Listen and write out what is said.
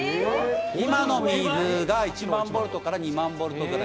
今の水が１万ボルトから２万ボルトくらい。